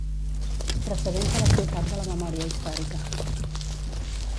Precedents a la ciutat de la memòria històrica.